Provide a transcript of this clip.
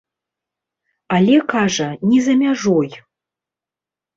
Але, кажа, не за мяжой.